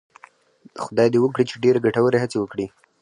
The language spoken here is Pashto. خدای دې وکړي چې ډېرې ګټورې هڅې وکړي.